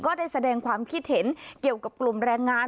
ได้แสดงความคิดเห็นเกี่ยวกับกลุ่มแรงงาน